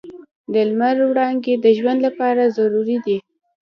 د لمر وړانګې د ژوند لپاره ضروري دي.